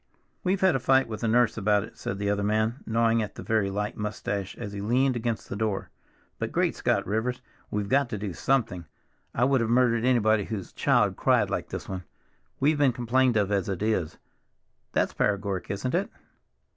"We've had a fight with the nurse about it," said the other man, gnawing at a very light mustache as he leaned against the door, "but Great Scott, Rivers, we've got to do something. I would have murdered anybody whose child cried like this one. We've been complained of as it is. That's paregoric, isn't it?"